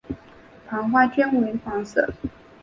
盘花均为黄色。